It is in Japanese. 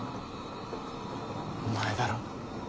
お前だろ？